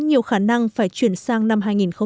nhiều khả năng phải chuyển sang năm hai nghìn hai mươi